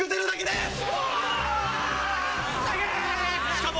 しかも。